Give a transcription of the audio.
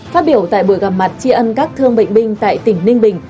phát biểu tại buổi gặp mặt tri ân các thương bệnh binh tại tỉnh ninh bình